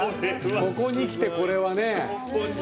ここにきて、これはね！